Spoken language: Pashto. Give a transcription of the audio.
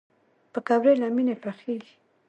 پکورې له مینې پخېږي